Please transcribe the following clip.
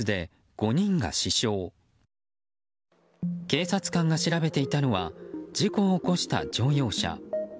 警察官が調べていたのは事故を起こした乗用車。